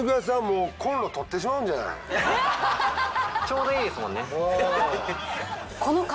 ちょうどいいですもんね。